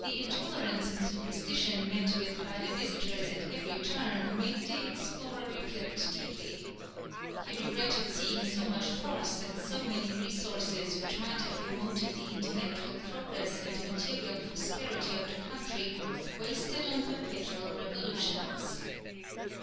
The intolerance and superstition met with by the visitors at every turn made the explorer reflect deeply. He regretted seeing so much force and so many resources which might have promoted the intellectual progress and material prosperity of the country wasted on perpetual revolutions.